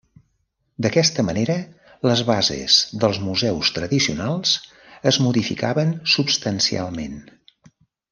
D'aquesta manera, les bases dels museus tradicionals es modificaven substancialment.